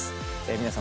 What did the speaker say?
皆様